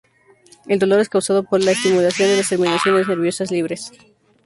El dolor es causado por la estimulación de las terminaciones nerviosas libres.